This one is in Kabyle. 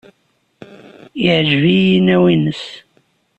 Yeɛjeb-iyi yinaw-nnes.